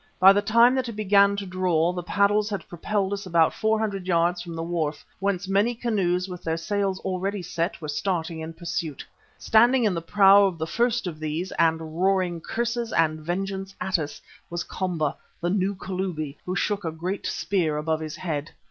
By the time that it began to draw the paddles had propelled us about four hundred yards from the wharf, whence many canoes, with their sails already set, were starting in pursuit. Standing in the prow of the first of these, and roaring curses and vengeance at us, was Komba, the new Kalubi, who shook a great spear above his head.